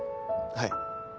はい。